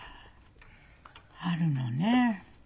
あるのねえ。